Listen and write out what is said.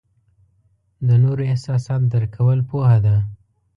د نورو احساسات درک کول پوهه ده.